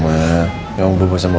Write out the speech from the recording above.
emang belum bobok sama oma